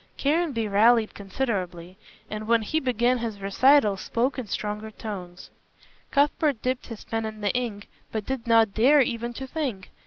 Caranby rallied considerably, and when he began his recital spoke in stronger tones. Cuthbert dipped his pen in the ink, but did not dare even to think.